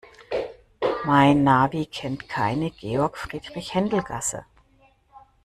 Mein Navi kennt keine Georg-Friedrich-Händel-Gasse.